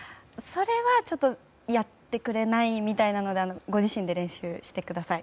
それはやってくれないみたいなのでご自身で練習してください。